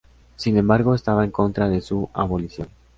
Sin embargo, estaba en contra de su abolición.